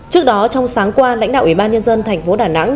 trước đó trong sáng qua lãnh đạo ủy ban nhân dân tp đà nẵng